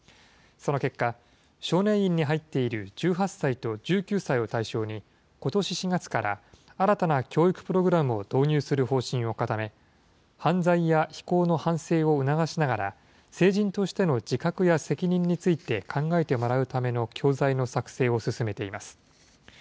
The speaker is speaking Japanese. その結果、少年院に入っている１８歳と１９歳を対象に、ことし４月から、新たな教育プログラムを導入する方針を固め、犯罪や非行の反省を促しながら、成人としての自覚や責任について考えてもらうための教材の作成を進めています。